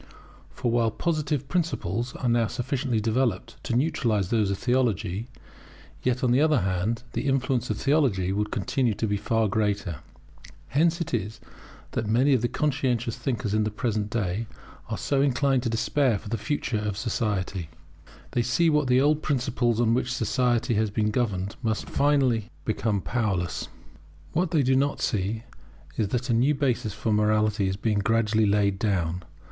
For while Positive principles are now sufficiently developed to neutralize those of Theology, yet, on the other hand, the influence of theology would continue to be far greater. Hence it is that many conscientious thinkers in the present day are so inclined to despair for the future of society. They see that the old principles on which society has been governed must finally become powerless. What they do not see is that a new basis for morality is being gradually laid down.